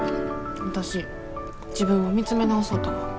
わたし自分を見つめ直そうと思って。